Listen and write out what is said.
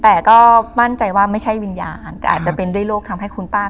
แต่ก็มั่นใจว่าไม่ใช่วิญญาณแต่อาจจะเป็นด้วยโรคทำให้คุณป้า